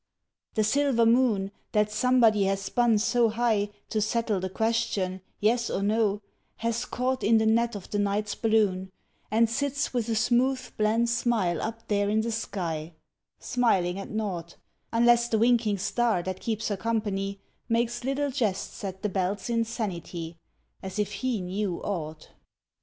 The silver moon That somebody has spun so high To settle the question, yes or no, has caught In the net of the night's balloon, And sits with a smooth bland smile up there in the sky Smiling at naught, Unless the winking star that keeps her company Makes little jests at the bells' insanity, As if he knew aught!